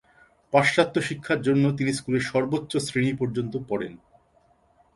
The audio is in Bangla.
পাশ্চাত্য শিক্ষার জন্য তিনি স্কুলে সর্বোচ্চ শ্রেণি পর্যন্ত পড়েন।